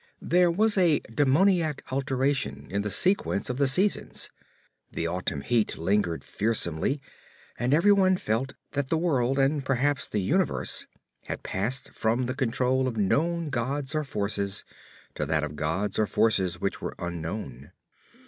There was a daemoniac alteration in the sequence of the seasons—the autumn heat lingered fearsomely, and everyone felt that the world and perhaps the universe had passed from the control of known gods or forces to that of gods or forces which were unknown.